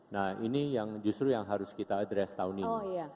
nah ini yang justru yang harus kita addres tahun ini